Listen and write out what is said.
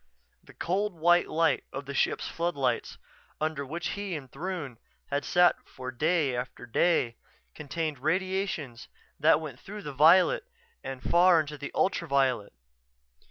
The cold white light of the ship's floodlights, under which he and Throon had sat for day after day, contained radiations that went through the violet and far into the ultraviolet.